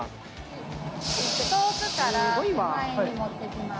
遠くから手前に持ってきます。